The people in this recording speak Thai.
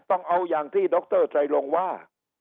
ต้องเอาอย่างที่ดรไตรลงว่า